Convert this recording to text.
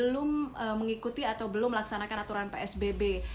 belum ya belum mengikuti atau belum melaksanakan aturan psbb